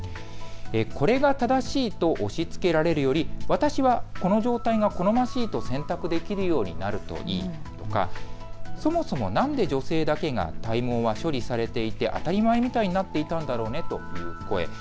これが正しいと押しつけられるより私はこの状態が好ましいと選択できるようになるといいとか、そもそも何で女性だけが体毛が処理されていて当たり前みたいになっていたんだろうねという声。